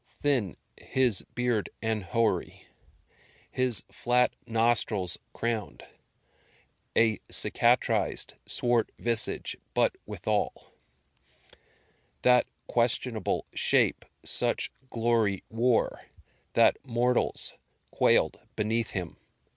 Thin His beard and hoary; his flat nostrils crown'd A cicatrised, swart visage, but withal That questionable shape such glory wore That mortals quail'd beneath him."